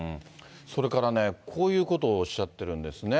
それからね、こういうことをおっしゃってるんですね。